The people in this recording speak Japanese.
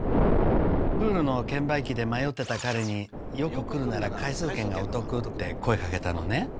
プールの券売機で迷ってた彼によく来るなら回数券がお得って声かけたのね